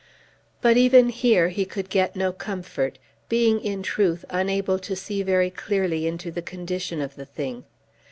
But even here he could get no comfort, being in truth unable to see very clearly into the condition of the thing.